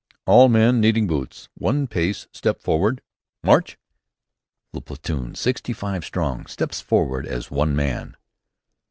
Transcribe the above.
"All men needing boots, one pace step forward, March!" The platoon, sixty five strong, steps forward as one man.